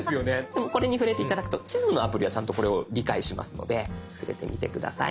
でもこれに触れて頂くと地図のアプリはちゃんとこれを理解しますので触れてみて下さい。